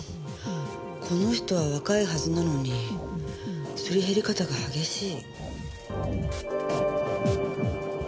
この人は若いはずなのにすり減り方が激しい。